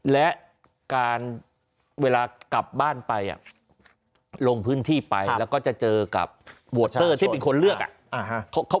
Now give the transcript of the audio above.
และการเวลากลับบ้านไปลงพื้นที่ไปแล้วก็จะเจอกับโวสเตอร์ที่เป็นคนเลือก